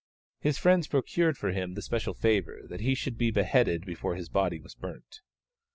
His friends procured for him the special favour that he should be beheaded before his body was burnt.